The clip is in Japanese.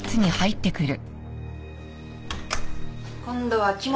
今度は木元。